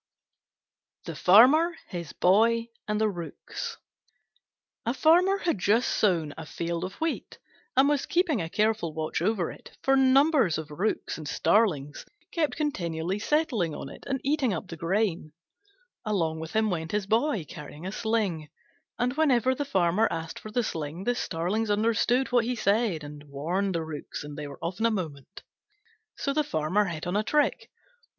THE FARMER, HIS BOY, AND THE ROOKS A Farmer had just sown a field of wheat, and was keeping a careful watch over it, for numbers of Rooks and starlings kept continually settling on it and eating up the grain. Along with him went his Boy, carrying a sling: and whenever the Farmer asked for the sling the starlings understood what he said and warned the Rooks and they were off in a moment. So the Farmer hit on a trick.